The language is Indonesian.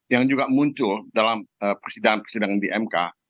yang juga muncul dalam persidangan persidangan di mk